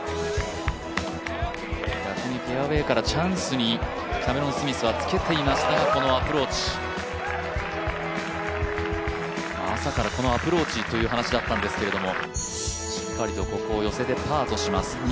逆にフェアウエーからチャンスにキャメロン・スミスはつけていましたがこのアプローチ、朝からこのアプローチという話だったんですけれども、しっかりとここを寄せてパーとします。